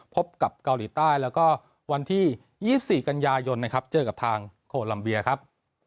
พบกับเกาหลีใต้แล้วก็วันที่๒๔กันยายนนะครับเจอกับทางโคลัมเบียครับ